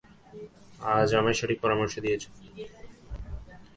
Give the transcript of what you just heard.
আজ আমায় সঠিক পরামর্শ দিয়েছো।